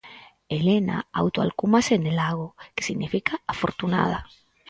Helena autoalcúmase Nelago, que significa afortunada.